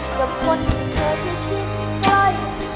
จากคนที่เธอเคยชิดใกล้